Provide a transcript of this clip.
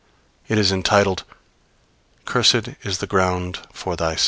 It is entitled: Cursed is the ground for thy sake.